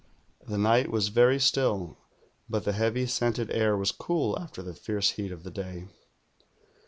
The night was very still, but the heavy, scented air was cool after the fierce heat of the day.